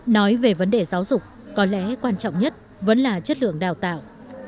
nói về vấn đề giáo dục có lẽ quan trọng nhất vẫn là chất lượng đào tạo